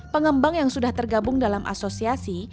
pengembang yang sudah tergabung dalam asosiasi